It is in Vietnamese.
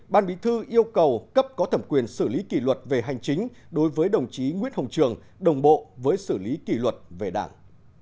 ban bí thư yêu cầu cấp có thẩm quyền xử lý kỷ luật về hành chính đối với đồng chí nguyễn hồng trường đồng bộ với xử lý kỷ luật về đảng